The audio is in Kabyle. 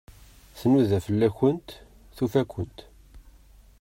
Tnuda fell-akent, tufa-kent.